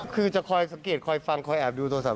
คือจะคอยสังเกตคอยฟังคอยแอบดูโทรศัพ